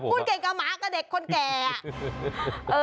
กุ้นเก่งกับหมาก็เด็กคนแก่